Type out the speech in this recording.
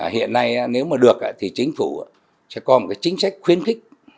hiện nay nếu mà được thì chính phủ sẽ có một cái chính sách khuyến khích